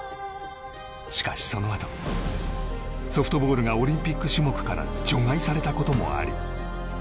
しかし、そのあとソフトボールがオリンピック種目から除外されたこともあり。